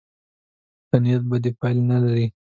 ښه نیت بدې پایلې نه لري.